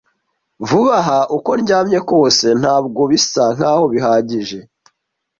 Vuba aha, uko ndyama kose, ntabwo bisa nkaho bihagije.